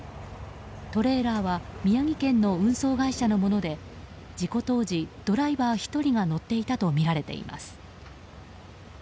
トレーラーは宮城県の運送会社のもので事故当時、ドライバー１人が乗っていたとみられています。